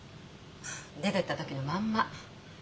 出てった時のまんま。